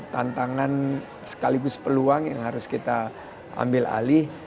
tantangan sekaligus peluang yang harus kita ambil alih